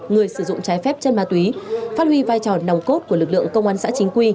người sử dụng trái phép chân ma túy phát huy vai trò nòng cốt của lực lượng công an xã chính quy